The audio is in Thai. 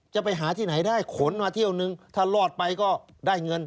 จะไปหาที่ไหนได้ขนมาเที่ยวนึงถ้ารอดไปก็ได้เงิน